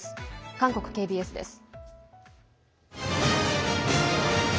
韓国ＫＢＳです。